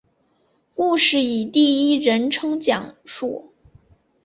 故事以第一人称讲述。